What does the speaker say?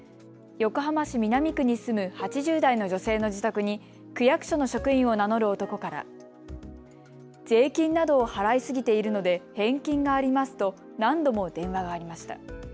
横浜市南区に住む８０代の女性の自宅に区役所の職員を名乗る男から税金などを払いすぎているので返金がありますと何度も電話がありました。